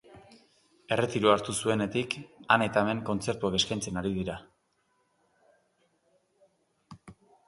Erretiroa hartu zuenetik, han eta hemen kontzertuak eskaintzen ari dira.